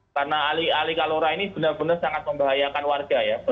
karena ali kalora ini benar benar sangat membahayakan warga ya